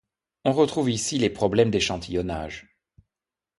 On retrouve ici les problèmes d'échantillonnage.